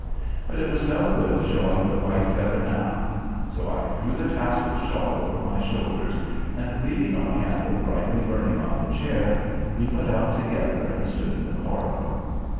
But it was no good showing the white feather now. So I threw the tasselled shawl over my shoulders and, leaving our candle brightly burning on the chair, we went out together and stood in the corridor.